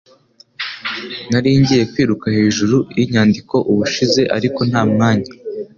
Nari ngiye kwiruka hejuru yinyandiko ubushize ariko nta mwanya